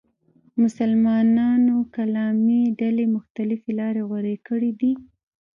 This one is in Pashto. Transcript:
مسلمانانو کلامي ډلې مختلفې لارې غوره کړې دي.